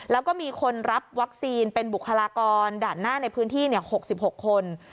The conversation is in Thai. แล้วก็มีคนรับวัคซีนเป็นบุคลากรด่านหน้าในพื้นที่๖๖คน